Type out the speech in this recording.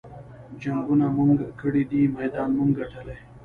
جنګــــونه مونږه کـــــــــړي دي مېدان مونږه ګټلے